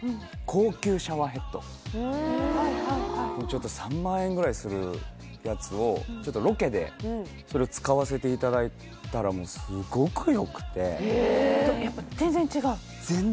ちょっと３万円ぐらいするやつをちょっとロケでそれを使わせていただいたらもうすごくよくてやっぱ全然違う？